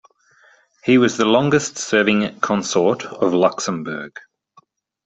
He was the longest serving consort of Luxembourg.